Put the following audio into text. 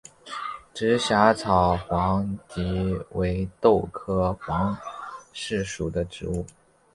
直荚草黄耆为豆科黄芪属的植物。